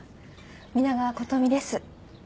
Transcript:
皆川琴美です。